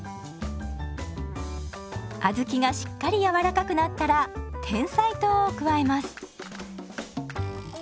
小豆がしっかり柔らかくなったらてんさい糖を加えます。